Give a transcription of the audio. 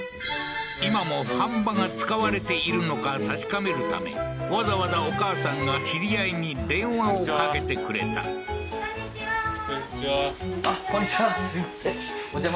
今も飯場が使われているのか確かめるためわざわざお母さんが知り合いに電話をかけてくれたこんにちはははは